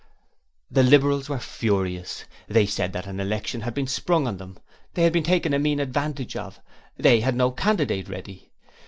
The Liberals were furious. They said that an election had been sprung on them they had been taken a mean advantage of they had no candidate ready.